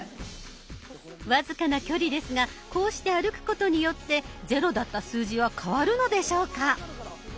僅かな距離ですがこうして歩くことによってゼロだった数字は変わるのでしょうか？